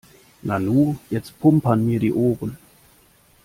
Nanu, jetzt pumpern mir die Ohren.